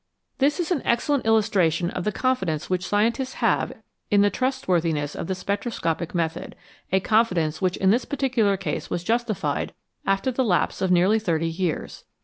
This is an excellent illustration of the confidence which scientists have in the trustworthiness of the spectroscopic method, a confidence which in this particular case was justified after the lapse of nearly thirty years.